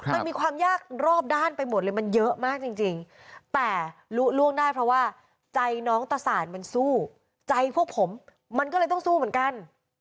มันมีความยากรอบด้านไปหมดเลยมันเยอะมากจริงแต่ลุล่วงได้เพราะว่าใจน้องตะสานมันสู้ใจพวกผมมันก็เลยต้องสู้เหมือนกัน